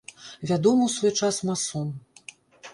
Вядомы ў свой час масон.